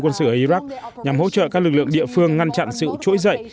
quân sự ở iraq nhằm hỗ trợ các lực lượng địa phương ngăn chặn sự trỗi dậy